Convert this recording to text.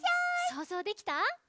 そうぞうできた？